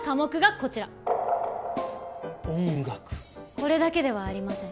これだけではありません。